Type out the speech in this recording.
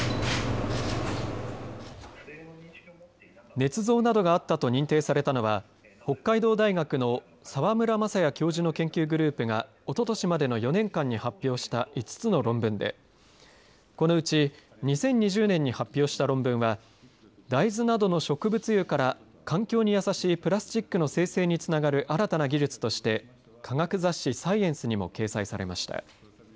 ねつ造などがあったと認定されたのは北海道大学の澤村正也教授の研究グループがおととしまでの４年間に発表した５つの論文でこのうち２０２０年に発表した論文は大豆などの植物油から環境に優しいプラスチックの生成につながる新たな技術として科学雑誌サイエンスにも掲載されました。